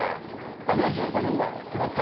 まあ４５年ぐらい前ですね。